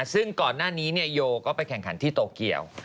ซึ่งก่อนหน้านี้โยก็ไปแข่งขันที่โตเกียว